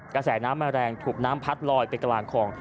กระแสน้ำมาแรงถูกน้ำพัดลอยไปกลางคลอง